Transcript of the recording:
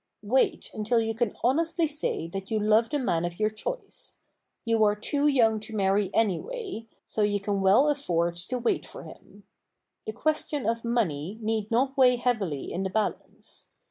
Wait until you can honestly say that you love the man of your choice. You are too young to marry, anyway, so you can well afford to wait for him. The question of money need not weigh heavily in the balance.